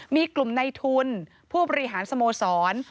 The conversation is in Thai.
มีกลุ่มในทุนผู้บริหารสโมสร